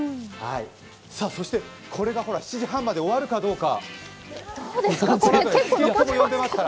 これが７時半まで終わるかどうか。